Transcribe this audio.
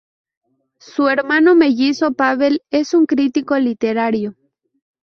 Su hermano mellizo Pavel es un crítico literario.